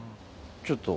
ちょっと。